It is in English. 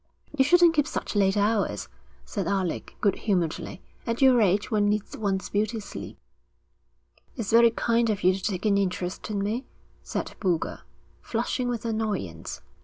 'You shouldn't keep such late hours,' said Alec, good humouredly. 'At your age one needs one's beauty sleep.' 'It's very kind of you to take an interest in me,' said Boulger, flushing with annoyance.